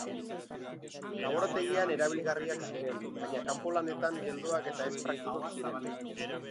Laborategian erabilgarriak ziren, baina kanpo-lanetan geldoak eta ez-praktikoak ziren.